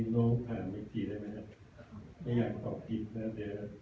โน่งผ่านไม่ทิ้งได้ไหมครับ